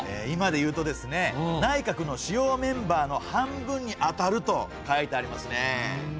今でいうとですね内閣の主要メンバーの半分に当たると書いてありますね。